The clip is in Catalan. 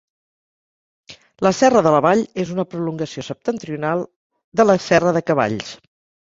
La Serra de la Vall és una prolongació septentrional de la Serra de Cavalls.